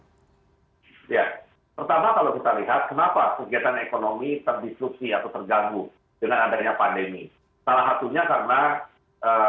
ya pertama kalau kita lihat kenapa kegiatan ekonomi terdisklusi atau terganggu dengan adanya pandemi